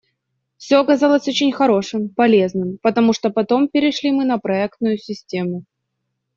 Все оказалось очень хорошим, полезным, потому что потом перешли мы на проектную систему.